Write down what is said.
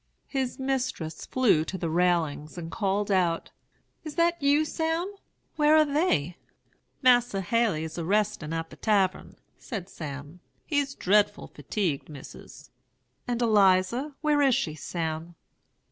"His mistress flew to the railings, and called out, 'Is that you, Sam? Where are they?' "'Mas'r Haley's a restin' at the tavern,' said Sam. 'He's drefful fatigued, Missis.' "'And Eliza, where is she, Sam?'